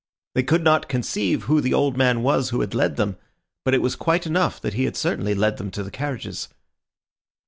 They could not conceive who the old man was who had led them; but it was quite enough that he had certainly led them to the carriages.